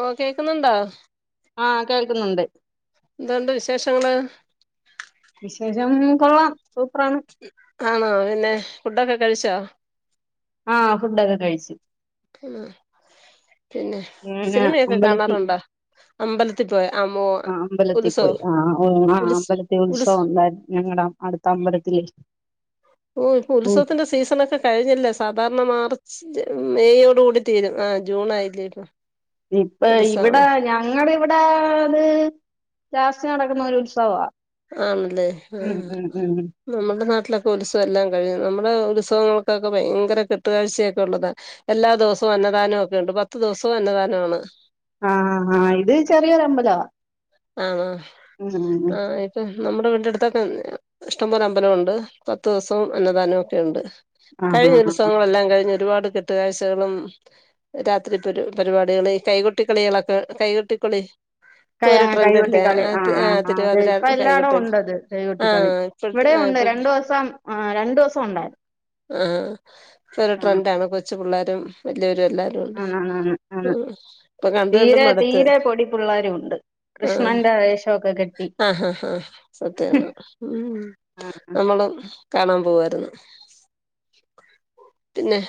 ഓ കേക്കുന്നുണ്ടോ ആ കേൾക്കുന്നുണ്ട് എന്താണ്ട് വിശേഷങ്ങള് വിശേഷം കൊള്ളാം സൂപ്പറാണ് ആണോ പിന്നെ ഫുഡഡൊക്കെ കഴിച്ചോ ആ ഫുഡൊക്കെ കഴിച്ചു ഉം അമ്പലത്തി അമ്പലത്തിൽ പോയ അമ്മോ ആ അമ്പലത്തി ഉത്സവോ പോയി ആ ആ ഉത്സ് അമ്പലത്തി ഉത്സ് ഉത്സവം ഉണ്ടായി ഞങ്ങളുടെ അടുത്ത അമ്പലത്തി ത്രീ ഓ ഇപ്പൊ ഉത്സവത്തിന്റെ സീസൺക്കെ കഴിഞ്ഞില്ലേ സാധാരണ മാർച്ച് മെയയോട് കൂടി തീരും ആ ജൂൺ ആയില്ലേ ഇപ്പം ഇപ്പ ഇവിടെ ഞങ്ങള ഇവിടെത് ലാസ്റ്റ് നടക്കുന്ന ഒരു ഉത്സവ ആണല്ലേ ആ നമ്മുടെ നാട്ടിലൊക്കെ ഉത്സവം എല്ലാം കഴിയും നമ്മുടെ ഉത് അസങ്ങൾക്കൊക്കെ ഭയങ്കര കെട്ടുകഴ്ചയൊക്കെ ഉള്ളതാണ് എല്ലാ ദിവസവും അന്നദാനവും ഒക്കെ ഉണ്ട് പത്ത് ദിവസവും അന്നദാനമാണ് ആഹആ ഇത് ചെറിയൊരു അമ്പതവാ ആണ ആ ഇപ്പൊ നമ്മുടെ വീട്ടടുത്തൊക്കെ ഇഷ്ടംപോലെ അമ്പലംണ്ട് പത്ത് ദിവസവും അന്നദാനവും ഒക്കെ ഉണ്ട് ആഹ് കഴിഞ്ഞ ആഹ് ഉത്സ ആഹ് വങ്ങളെല്ലാം കഴിഞ്ഞ ഒരുപാട് കെട്ടുകാഴ്ചകളും രാത്രി പ പരിപാടികൾ കൈകൊട്ടിക്കളികളൊക്കെ കൈകൊട്ടിക്കളി ക ഇപ്പൊ ഒരു കൈകൊട്ട ട്രെൻഡല്ലേ കളി ആ ആഹ് ആ് ആഹ് അതെ തിരുവാതിര ഇപ്പ എല്ലായിടും കൈകൊട്ടി ഉണ്ട്ത് കൈകൊട്ട ആഹ് കളി ഇപ്പഴത്തെ ഇവിടെ ആഹ് ഉണ്ട് ഇപ്പഴത്തെ രണ്ടു ദിവസം ആ രണ്ടു ദിവസം ഉണ്ടായിരുന്നു ആ ഇപ്പൊ ഒരു ട്രെൻറ് ആണ് കൊച്ചു പിള്ളേർ വല്യവരും ആ ആ ഇപ്പൊ കണ്ട് തീരെ തീരെ പൊടിപ്പള്ളേരു ഉണ്ട് ആ കൃഷ്ണന്റെ വേഷമൊക്കെ കെട്ടി ആഹ് ആ സത്യാണ് നമ്മള കാണാൻ പോവായിരുന്നു പിന്നെ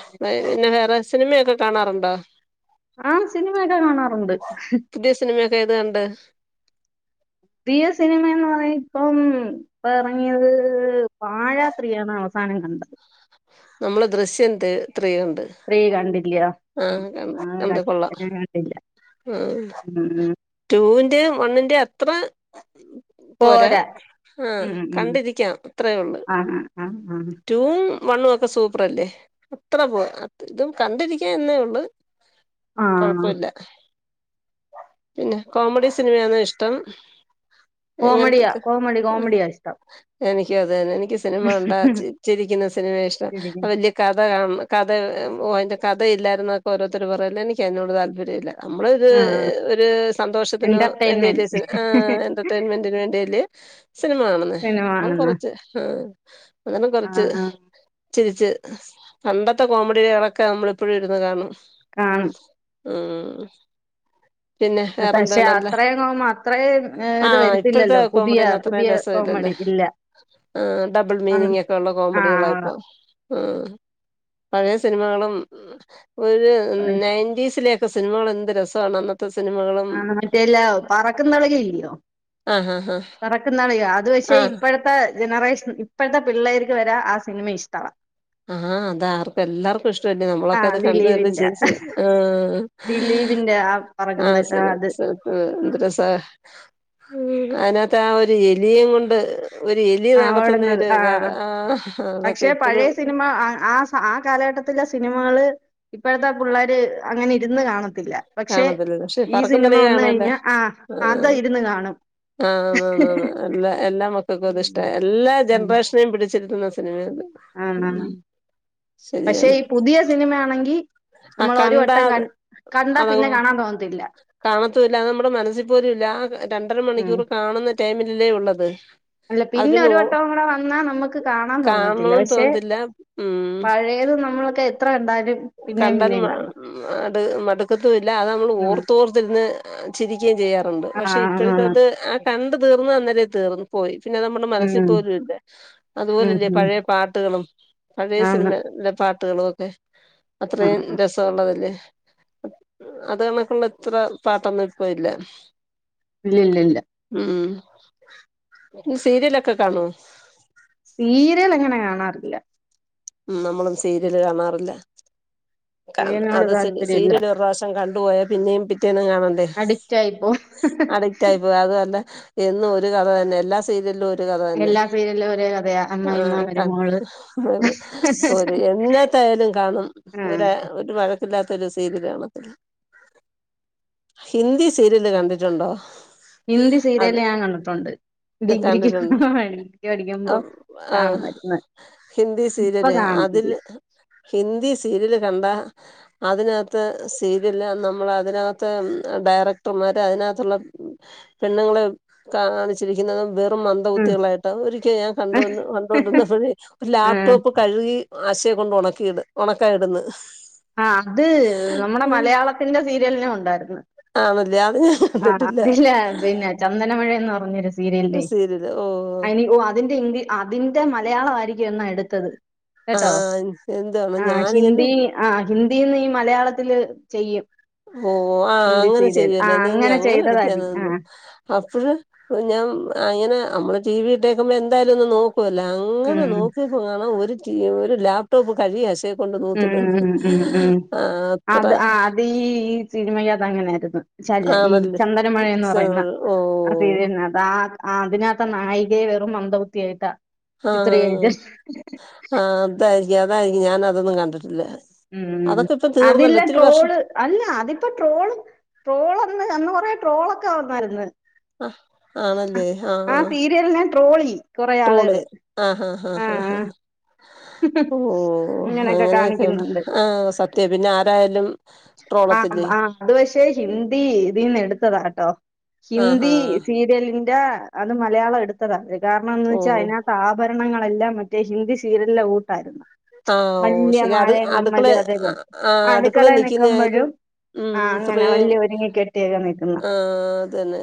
പിന്നെ വേറെ സിനിമയൊക്കെ കാണാറുണ്ടോ ആ സിനിമയൊക്കെ കാണാറുണ്ട് പുതിയ സിനിമയൊക്കെ ഏത് കണ്ട് പുതിയ സിനിമ എന്ന് പറ ഇപ്പം പറങ്ങിയത് പാഴാത്രിയാണ് അവസാനം കണ്ടത് നമ്മളെ ദൃശ്യം ത് ത്രീ കണ്ട് ത്രീ കണ്ടില്ല ആ ഉം, ആ കണ്ട് കണ്ടില്ല കൊള്ളാം ഞാൻ കണ്ടില്ല ഉം. ടൂ ഇൻ [unintelligible] വണ്ണിന്റെ അത്ര പോരാ ആ ഉം, ഉം. കണ്ടിരിക്കാം അത്രയേ ഉള്ളൂ ആ ആ ആ ടൂവും മണ്ണു ഒക്കെ സൂപ്പറല്ലേ അത്ര പോരാ ഇതും കണ്ടിരിക്ക എന്നേ ഒള്ള് ആ കൊഴപ്പല്ല പിന്നെ കോമഡി സിനിമയാന്നോ ഇഷ്ടം കോമഡിയാ എങ്ങനത്തൊക്കെ കോമഡി ആ കോമഡിയാ ഇഷ്ടം എനിക്കും അതേനെ ക്ക് സിനിമ കണ്ടാ ചിരിക്കുന്ന സിനിമയാ ഇഷ്ടം ശരിക്കും വല്യ കഥ കാണ്ണ് കഥ ഓ അതിൻ്റെ കഥയില്ലായിരുന്നൊക്കെ ഓരോരുത്തര് പറയല്ല എനിക്ക് അയ്നോട് താല്പര്യം ഇല്ല നമ്മള് ഇത് ആ ഒരു സന്തോഷത്തിന് വേണ്ടിയല്ലെ എന്റർടൈൻമെന്റ് ആ എന്റർടൈൻമെന്റിന് വേണ്ടിയല്ലേ സിനിമ കാണുന്നേ സിനിമ അപ്പം കാണുന്ന കൊറച്ച് ആ അങ്ങനെ ആ കൊറച്ച് ആ, തിരിച്ച് പണ്ടത്തെ കോമഡികികളൊക്കെ നമ്മള് ഇപ്പഴും ഇരുന്ന് കാണും കാണും ആ പിന്നെ പക്ഷെ വേറെന്താണല്ലേ അത്രയും കോമ അത്രയും ഏഹ് ആ ഇത് ഇപ്പഴത്തെ വരത്തില്ലല്ലോ പുതിയ കോമഡിന്ന് പുതിയ അത്രയും കോമഡി രസല്ലല്ലേ ഇല്ല. ആ ഡബിൾ അങ് മീനിങ്ങ് ഒക്കെ ഉള്ള കോമഡികളായി ആഹ് പ ആ പഴയ സിനിമകളും ഒരു നയൻ്റീസിലെ സിനിമകൾ എന്ത് രസമണന്നോ ആ മറ്റേല്ല പറക്കുംതളിക ഇല്ലയോ ആഹ് ആഹ് പറക്കുംതളിക അത് പക്ഷേ ആഹ് ഇപ്പഴത്തെ ജനറേഷൻ ഇപ്പോഴത്തെ പിള്ളേർക്ക് വരെ ആ സിനിമ ഇഷ്ടവാ ആ അതാർക്കും എല്ലാർക്കും ഇഷ്ടമല്ലേ നമ്മളൊക്കെ ആഹ് അത് കണ്ട് കണ്ട് ദിലീപിന്റെ ചിരിച്ച് ദിലീപിന്റെ ആ [unintelligible] പറക്കുന്ന ആ അത് എന്ത് രസാ ഉം അതിനത്ത ആ ഒരു എലിയേം കൊണ്ട് ഒരു എലി ആ നടത്തുന്ന ഓടുന്നത് ഒരു ആഹ് കഥ ആഹ് ആ അതൊക്കെ പക്ഷെ പഴയ ഇപ്പഴും സിനിമ ആഹ് ആ ആ കാലഘട്ടത്തില സിനിമകള് ഇപ്പ ഴത്തെ പിള്ളേര് അങ്ങനെ ഇരുന്ന് കാണ കാണത്തില്ല പക്ഷെ പറക്കും തളിക കാണുവല്ലോ കഴിഞ്ഞാ ആഹ് ആ അത് ഇരുന്ന് കാണും. ആ.. ആന്നന്ന ന്ന് എലമക്ക കക്കുത് ഉം ഇഷ്ട എല്ലാ ജൻറേഷനും പിടി ചരിത്തുന്ന സിനിമയത് ആ ആ ഉം പക്ഷെ ശരിയാണ് ഈ പുതിയ സിനിമയാണെങ്കി ആ നമ്മളൊരു വട്ടം കണ്ടാത് കൺ കണ്ടാ പിന്നെ കാണാൻ തോന്നത്തില്ല. കാണത്തൂല്ല നമ്മുടെ മനസ്സിൽ പോലും ഇല്ല ആ രണ്ടര ഉം. മണിക്കൂർ കാണുന്ന ടൈമിലില്ലേ ഉള്ളത് അല്ല പിന്നെ ഒരു വട്ടവും കൂടെ വന്നാ നമുക്ക് കാണാൻ തോന്നത്തില്ല കാണണോന്ന് പക്ഷെ തോന്നത്തില്ല ഉം പഴയത് നമ്മളൊക്കെ എ ത്ര കണ്ട കണ്ടാൽ മ അടു മടുക്കത്തുംല്ല അത് നമ്മൾ ഉം. ഓർത്തോർത്തിരുന്ന് ചിരിക്കുകയും ചെയ്യാറുണ്ട് പക്ഷെ ആഹ് ഇപ്പോഴത്തെ ആണ്. അത് ആ കണ്ട തീർന്ന് അന്നേ തീർന്നു പോയി പിന്നെ നമ്മുടെ മനസ്സിൽ ഉം. പോലുംല്ല ഉം അതുപോലല്ലേ ഉം. പഴയ പാട്ടുകളും പഴയ ആന്ന്. സിനിമേലെ പാ [unintelligible] ട്ടുകളുവൊക്കെ ആഹ് അത്രയും ആഹ്. രസള്ളതല്ലേ അത് കണക്കുള്ള ഇത്ര പാട്ടൊന്നും ഇപ്പ ഇല്ല ഇല്ലില്ലി ല്ല ഉം സീരിയലൊക്കെ കാണോ സീരിയലങ്ങനെ കാണാറില്ല മം നമ്മളും സീരിയല് കാണാറില്ല കൺ സീരിയലിനോട് അത് താല്പര്യല്ല. സീരിയൽ ഒരു പ്രാവശം കണ്ട പോയ പിന്നെപി ന്നും കാണണ്ടേ അഡിക്റ്റ് ആയിപ്പോവും. അടിട്ടായി പോയി അത് അല്ല എന്നും ഒരു കഥ തന്നെ എല്ലാ സീരിയലിലും ഒരു കഥ തന്നെ എല്ലാ സീരിയലും ഒരേ കഥയാ. അമ്മായിമ്മ ആആ മരുമോള്. ആ എന്നത്തായാലും കാണും ഒ ആഹ്. ഒരു വഴക്കില്ലാത്തൊരു സീ [unintelligible] ത്തി ഹിന്ദി സീരിയല് കണ്ടിട്ടുണ്ടോ [unintelligible] ഹിന്ദി അത് സീരിയല് ഞാൻ കണ്ടിട്ടുണ്ട് ഡിഗ്രിക്ക് കണ്ടിട്ടുണ്ട് [unintelligible] പഠിക്കുമ്പോം ആ കാണൻ വന്ന് ഹിന്ദി ഇപ്പൊ സീരിയല് കാണത്തില്ല ഇതില് കണ്ട അതിനാത്ത്‌ [unintelligible] അതിനാത്ത ഡയറക്ടർമാര് അയിനാത്തൊള്ള പെണ്ണുങ്ങളെ കാണിച്ചിരിക്കുന്ന വെറ് റും ഉം മന്ദബുദ്ധികളായിട്ട് ഒരിക്ക ഞാൻ കണ്ടോ കണ്ടോണ്ടിരുനപ്പഴ് ഒരു ഉം ലാപ്ടോപ്പ് കഴുകി ആശയെകൊണ്ട് ഉണക്കിട് ഒണ കെടന്ന് ആ അത് നമ്മുടെ മലയാളത്തിന്റെ സീരിയലിനും ഉണ്ട് ണ്ടായിരുന്നു ആണല്ലേ അത് ഞാൻ കണ്ടിട്ടില്ല [unintelligible] [unintelligible] സീരിയല് ഓ അയിന് ഓ അതിന്റെ ഹിന്ദി ആ അതിന്റെ മലയാളായിരിക്കും [unintelligible] എന്നാ എടുത്തത് കേട്ടോ ആഹ് എന്താണ് ആ ഞാനിങ്ങനെ ഹിന്ദി ആ ഹിന്ദിന്ന് ഈ മലയാളത്തില് ചെയ്യും ഓ ആ ഹിന്ദി അങ്ങനെ സീരിയൽ ആ ചെയല്ലേ എന്നാ ഇനി അങ്ങനെ ചെയ്തതായിരിക്കും ആ എടുത്തന്നത് അപ്പഴ്‌ ഞാൻ അങ്ങനെ നമ്മള് ടീവിട്ടേക്കുമ്പോ എന്തായും ഒന്ന് [unintelligible] പോലെ അങ്ങനെ ഉം നോക്കി [unintelligible] ഒരു ലാപ്ടോപ് [unintelligible] കൊണ്ട് ഉം നൂതിടുന്നു ഉം ഉം ഉം ആ അത്ര അത് ആ അത് ഈ ഈ സിനിമയു അത് അങ്ങനെയായിരുന്ന് [unintelligible] ഈ ആണല്ലേ ചന്ദനമഴ എന്ന് സോ, പറയുന്ന ഓ ആ സീരിലിനാത്ത് ആ ആ അതിനകത്ത് നായി ഇതേ വെറും മന്ദബുദ്ധി ആയിട്ട ആഹ് ആഹ് അതാ അതായിരിക്കും ഞാനതൊന്നും കണ്ടിട്ടില്ല ഉം അതൊക്കെ ഇപ്പം അതില്ല തീർന്നല്ലോ ഒത്തിരി വർഷം ട്രോള് അല്ല അതിപ്പോ ട്രോള് ട്രോൾ ഒന്ന് അന്ന് കുറേ ട്രോളൊക്കെ വന്നായിരുന്നു. ആഹ് ആണല്ലേ ആഹ് ആ ട്രോളി കൊറേ ആള്ള്അള് ആഹ് ആഹ് ആഹ് ആഹ് ഓ ഇങ്ങനെയൊക്കെ അങ്ങനെയൊക്കെ കാണിക്കുന്നുണ്ട് ആ സത്യം പിന്നെ ആരായാലും ആ ട്രോളത്തില്ലേ ആ അത് പക്ഷെ ഹിന്ദി ഇതിന്ന് എടുത്ത് [unintelligible] ത്തതാട്ടോ ആഹാ ഹിന്ദി സീരിയൽ ല്ല അത് മലയാളം എടുത്തതാ കാരണം എന്ന്‌ ഓ വെച്ചാ അതിനകത്ത് ആകൊര [unintelligible] [unintelligible] മറ്റേ ഹിന്ദി സീരിയലെ കൂട്ടായിരുന്നു ആഹ് ഓ വല്യ ശരി അടു മാലയും അടുക്കള കമ്മലും അതേപോലെ ആഹ് അടുക്കള അടുക്കളെ നിക്കി നിക്കുമ്പോഴും ആ അങ്ങനെ [unintelligible] വല്യ ഒരുങ്ങി കെട്ടിയൊക്കെ നിക്കുന്ന ആ അതെന്നെ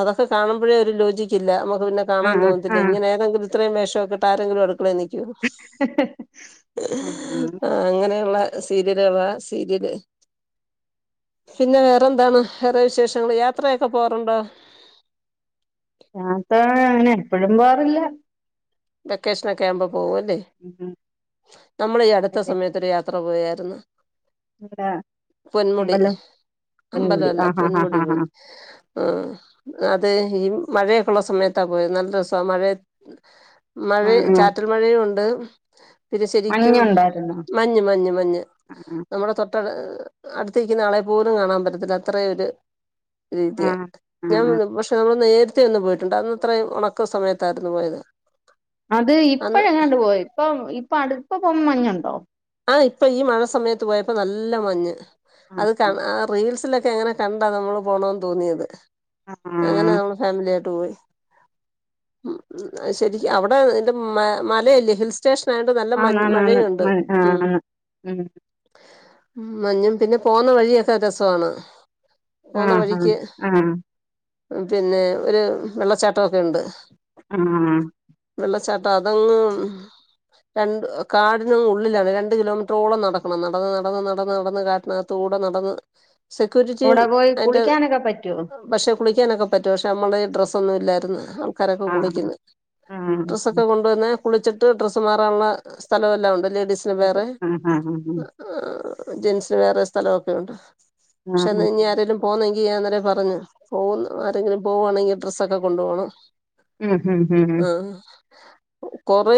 അതൊക്കെ കാണുമ്പഴേ ഒരു രു [unintelligible] ഒന്നുല്ലേ ആ കാണാൻ ആ തോന്നത്തില്ലേ ഇങ്ങനെ ഏതെങ്കിലൊരു ഇത്രയും വേഷൊക്കെ ഇട്ട് ആരെങ്കിലും അടുക്കളെ നിക്ക് [unintelligible] ആഹ് ആ അങ്ങനെ യൊള്ള സീരിയലളാ സീരിയല് പിന്നെ വേറെന്താണ് വേറെ വിശേഷങ്ങള് യാത്രയൊക്കെ പോകാറുണ്ടോ? യാത്രാ അങ്ങനെ എപ്പഴും പോകാറില്ല. വെക്കേഷനക്കെ ആവുമ്പം പോവുവല്ലേ ഉം നമ്മള് ഈ അടുത്ത സമയത്തൊരു യാത്ര പോയാ രുന്ന് ഇവിടെ പൊന്മുടി ഉണ്ടല്ലോ പൊന്മുടി അമ്പലവല്ല ആ ഹാ ഹാ ഹാ പൊന്മുടീ ഹാ പോയ് ആഹ് അത് ഈ മഴയെക്കയുള്ള സമയത്താ പോയത് നല്ല രസവാ മഴയ ആ മഴെ ആ ചാറ്റൽ മഴയും ഒണ്ട് പിന്നെ ശരിക്കും മഞ്ഞുണ്ടായിരുന്നോ മഞ്ഞ് മഞ്ഞ് മഞ്ഞ് ആ നമ്മുടെ തൊട്ടടു ഏഹ് അടുത്ത് നിക്കുന്ന ആളെ പോലും കാണാൻ പറ്റത്തില്ല അത്രേ ഒര് ആ രീതിയ ആ ഞാൻ ആ [unintelligible] പക്ഷെ നമ്മള് നേ രത്തെ ഒന്ന് പോയിട്ടുണ്ട് അന്നിത്രയും ഒണക്ക് സമയത്തായിരുന്നു പോയത്. അത് അന്ന് ഇപ്പഴെങ്ങാണ്ട് പോയി ഇപ്പൊ ഇപ്പ അടു ഇപ്പപോവുമ്പ മഞ്ഞുണ്ടോ? ആഹ് ഇപ്പ ഈ മഴ സമയത്ത് പോയപ്പോ നല്ല മഞ്ഞ്. ആ അത് ആ കണാ റീൽസിലൊ ക്കെ അങ്ങനെ കണ്ടാ നമ്മള് പോണോന്ന് തോന്നിയത്. ആ അങ്ങനാവണം ഫാമില്യ ട്ടൂയി ഉം അയ്ശരി അവിടെ [unintelligible] മലേല്ലേ ഹിൽ സ്റ്റേഷൻ കഴിഞ്ഞിട്ട് നല്ല മഞ് മഴയുണ്ട് ഉം ആഹ് ഉം മഞ്ഞും പിന്നെ പോന്ന വഴിയൊക്കെ രസമാണ് ആഹ് ഹാഹ് ആഹ് ന്ന്ട്ട് പിന്നെ ഒരു വെള്ളച്ചാട്ടം ഒക്കെയുണ്ട് ആഹ് വെള്ളച്ചാട്ടം അതങ്ങ് രണ്ട് കാടിന് ഉള് ള്ളിലാണ് രണ്ട് കിലോമീറ്ററോളം നടക്കണം നടന്ന് നടന്ന് നടന്ന് നടന്ന് കാട്ടിനകത്തൂടെ നടന്ന് സെക്യൂരിറ്റിയും ഓടെ പോയി അതിന്റെ കുളിക്കാനൊക്കെ പറ്റോ പക്ഷെ കുളിക്കാനൊക്കെ പറ്റും ക്ഷെ നമ്മൾ ഡ്രസ്സൊന്നും ഇല്ലായിരുന്നു കരൊക്കെ ആ കുളിക്ക്ന്ന് ആ ഡ്രെസ്സൊക്കെ കൊണ്ടുവന്ന് കുളിച്ചിട്ട് ഡ്രസ്സ് മാറാനുള്ള സ്ഥലം എല്ലാം ഉണ്ട് ലേഡീ ഇത്. വേറെ ആ ആ ആ ആ. ആ ജെൻസിന് വേറെ സ്ഥലമൊക്കെ ഉണ്ട് ഉം പക്ഷെ എന്നനി ആരെേലും പോന്ന അന്നരെ പറഞ്ഞു പോകന്ന് ആരെങ്കിലും പോകുവാണെങ്കിൽ ഡ്രസ്സൊക്കെ കൊണ്ടു പോോണം ഉം ഹം ഹം ഉ [unintelligible] കൊറേ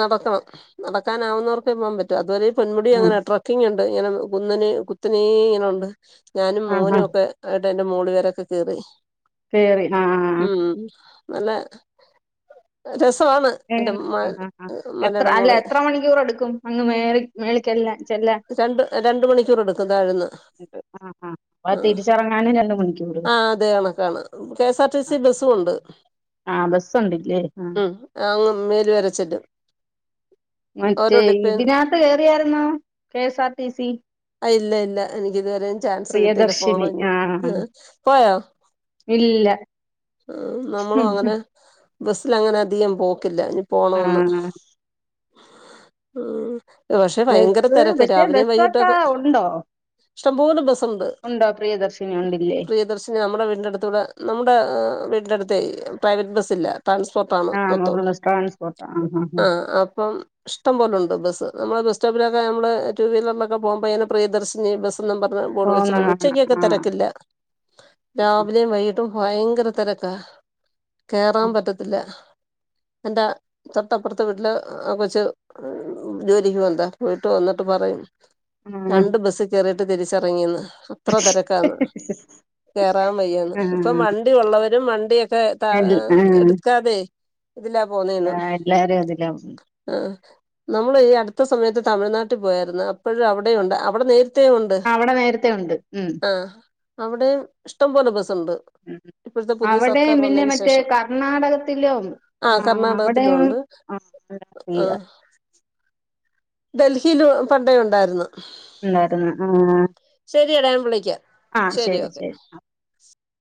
നടക്കണം നടക്കാനാവുന്നവർക്ക് പോകൻ പറ്റും അത്വരെ പൊമുന്മുടി ഉം. അങ്ങന ട്രക്കിങ് ഉണ്ട് ഇങ്ങനെ കുന്നനെ കുത്തനേ ഇങ്ങനെണ്ട് ഞാനും ആ ആ മോനുവൊക്കെ ന്റെ മൂള വരൊക്കെ കയറി [unintelligible] കയറി ആ നല്ല രസ എ ആ ആ എത്ര അല്ല മോളി എത്ര മണിക്കൂർ എട് രണ്ട് രണ്ട മണിക്കൂർ എടുക്കും താഴ്ന്ന് ആ അപ്പൊ ആ തിരിച്ചിറങ്ങാനും രണ്ട് മണിക്കൂറ് ആ അതെയണ കാണ് കെഎസ് ആർ ടിസി ബസ്സുംണ്ട് ആ ബസ്സുണ്ടില്ലേ ഉം അങ്ങ് മേല് വരച്ചെല്ലും മറ്റേ ഇതിനകത്ത് കേറിയായിാരരുന്നോ കെഎസ് ആർ ടി സി ഇല്ല ഇല്ല എനി ഇതുവരെും ചാൻസ് കിട്ടീല്ല പോണ പ്രിയദർശിനി ആഹ് പോയോ ഇല്ല ആ നമ്മളും അങ്ങനെ ബസ്സിൽ അങ്ങനെ അധികം പോക്കില്ല പോണന്ന് ആഹ് ഉം പക്ഷെ ഭയങ്കര ബസ് തിരക്ക് പക്ഷെ രാവിലെയും ബസ്സൊക്കെ വൈകിട്ടൊക്കെ ഉണ്ടോ ഇഷ്ടംപലും ബസ്സുണ്ട് ഉണ്ടോ പ്രിയദർശിനി ഉണ്ടില്ലേ പ്രിയദർശിനി നമ്മുടെ വീടി അടുത്തൂടെ നമ്മുടെ ടു പ്രൈവറ്റ് ബസ് ഇല്ല ട്രാൻസ്പോർട്ടാണ് ആഹ് മൊത്തം മുകളിൽ ട്രാൻസ്പോർട്ട് ആഹ് ആഹ് ആ ആഹ് അപ്പം ഇഷ്ടംപലെുണ്ട് ബസ്സ് നമ്മൾ ബസ്റ്റോപ്പിലക്കെ നമ്മള് ടു വീറിലൊക്കെ പോകുമ്പൾതിനെ പ്രദർശിച്ച് ബസ് പറ ബോഡ വെച്ച പോന്ന വന്നു കാണാം ഉച്ചക്കൊക്കെ ആഹ് തിരക്കില്ല രാവിലെയും വൈക ഭയങ്കര തരക്ക കേറാൻ പറ്റത്തില്ല എന്റെ തൊട്ടപ്പുറത്ത് വീട്ടില് ആ കൊച്ച് ജോലിക്ക് പോവ്ന്നതാ പോയിട്ട് വന്നിട്ട് പറയും ആഹ് രണ്ട് ബസ്സ് കെറി ട്ട് തിരിച്ചറങ്ങിന്ന് അത്ര തെരക്കാന്ന് കേറാൻ വയ്യാന്ന് ഇപ്പം ആഹ് വണ്ടി ഒള്ളവര് രും വണ്ടിയൊ ട്ടെ എൽ തഹ് ആഹ് എടുക്കാതെ ഇതിലാ പോവ്‌ന്നെന്ന് എല്ലാരും അതിലാ പോകുന്നെ. ആ നമ്മള് ഈ അടുത്ത സമയത്ത് തമിഴ്നാട്ടിൽ പോയായിരുന്നു അപ്പഴ് അവിടെ ഉണ്ട് അവ്ടെന്ന് അവ്ടെ നേരത്തെ ഉണ്ട് ഉം അവ്ടെം ഇഷ്ടംപോലെ ബസ്സ് ഇണ്ട് ഉം അവ്ടെയും പിന്നെ മറ്റേ ശേഷം കർണാടകത്തിലും ആ കർണാടകത്തിലും അവ്ടെയും ഉണ്ട് ആ ഫ്രീയാ ഡൽഹിൽ പണ്ടേ ഉണ്ടായിരുന്നു ഇണ്ടായിരുന്നു ആ ശെരി ഡാ ഞാൻ വിളിക്കാ ആ ശരി ശരി ആ